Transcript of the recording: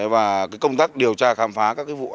và công tác điều tra khám phá các vụ án lừa đảo